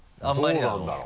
どうなんだろう？